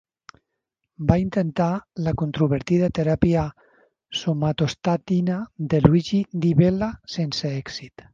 Va intentar la controvertida teràpia somatostatina de Luigi Di Bella, sense èxit.